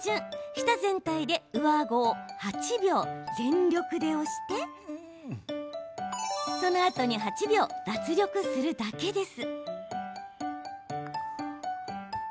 舌全体で上あごを８秒、全力で押してそのあとに８秒脱力するだけです。